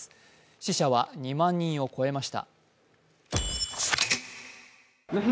死者は２万人を超えました。